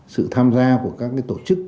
sự tham gia của các tổ chức